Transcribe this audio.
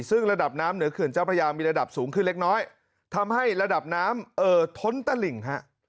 ซึ่งระดับน้ำเหนือเขื่อนเจ้าพระยามีระดับสูงขึ้นเล็กน้อยทำให้ระดับน้ำเอ่อท้นตะหลิ่งฮะ